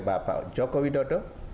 bapak joko widodo